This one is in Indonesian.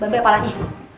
baik baik palanya